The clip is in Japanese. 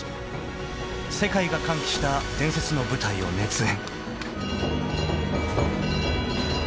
［世界が歓喜した伝説の舞台を熱演］